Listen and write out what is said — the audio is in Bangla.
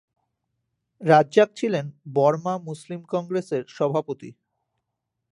রাজ্জাক ছিলেন বর্মা মুসলিম কংগ্রেসের সভাপতি।